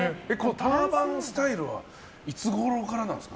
ターバンスタイルはいつごろからなんですか？